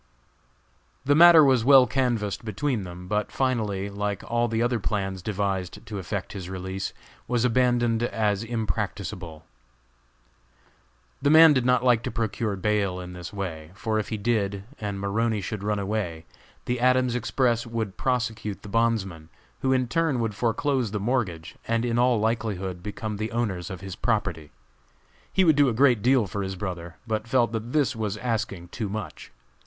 The matter was well canvassed between them, but finally, like all the other plans devised to effect his release, was abandoned as impracticable. The brother did not like to procure bail in this way, for if he did, and Maroney should run away, the Adams Express would prosecute the bondsmen, who in turn would foreclose the mortgage, and in all likelihood become the owners of his property. He would do a great deal for his brother, but felt that this was asking too much.